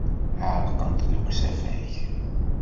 Ɛerqent deg usafag.